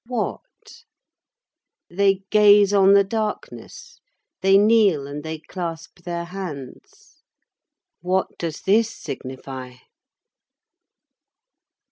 What? They gaze on the darkness, they kneel, and they clasp their hands. What does this signify?